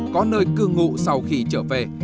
có nơi cư ngụ sau khi trở về